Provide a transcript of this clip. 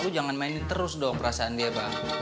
lu jangan mainin terus dong perasaan dia bang